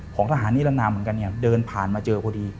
ของทหารนี้และนาวเหมือนกันเดินผ่านมาเจอพวกนี้